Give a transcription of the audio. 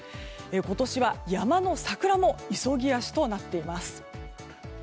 今年は山の桜も急ぎ足となっています。